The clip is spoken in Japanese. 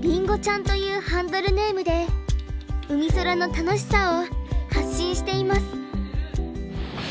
りんごちゃんというハンドルネームでうみそらの楽しさを発信しています。